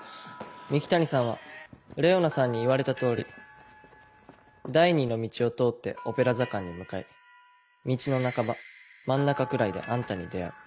三鬼谷さんはレオナさんに言われた通り第２の道を通ってオペラ座館に向かい道の半ば真ん中くらいであんたに出会う。